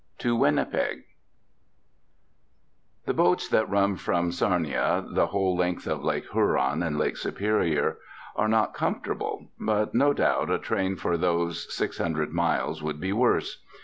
IX TO WINNIPEG The boats that run from Sarnia the whole length of Lake Huron and Lake Superior are not comfortable. But no doubt a train for those six hundred miles would be worse.